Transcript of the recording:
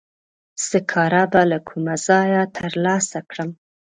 سکاره به له کومه ځایه تر لاسه کړم؟